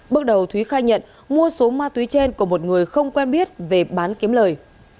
bước đầu thúy khai nhận mua số ma túy trên của một người không quen biết về bán kiếm lời